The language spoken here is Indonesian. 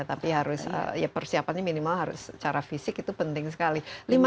tapi harus ya persiapannya minimal harus secara fisik itu penting sekali